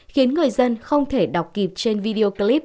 khiến người dân không thể đọc kịp trên video clip